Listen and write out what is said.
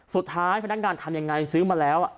สุดท้ายพนักงานทำยังไงซื้อมาแล้ว